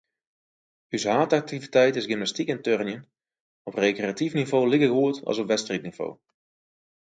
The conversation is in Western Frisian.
Us haadaktiviteit is gymnastyk en turnjen, op rekreatyf nivo likegoed as op wedstriidnivo.